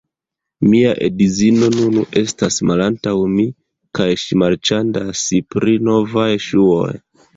Mia edzino nun estas malantaŭ mi kaj ŝi marĉandas pri novaj ŝuoj